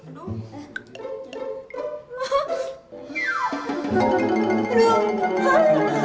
ya terima kasih